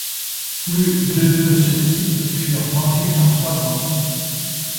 Plus de de ce type furent vendus en trois ans.